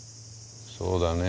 そうだね。